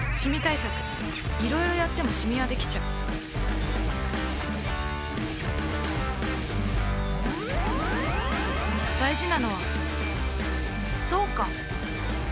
いろいろやってもシミはできちゃう大事なのはそうか！